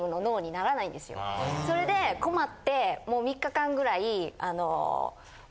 それで困ってもう３日間ぐらい。